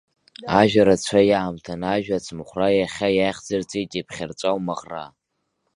Ажәа рацәа иаамҭан, ажәа ацымхәра иахьа иахьӡырҵеит иԥхьарҵәа умаӷра!